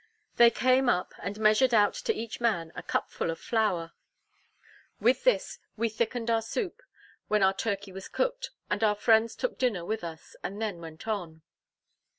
They came up, and measured out to each man a cupfull of flower. With this, we thickened our soup, when our turkey was cooked, and our friends took dinner with us, and then went on.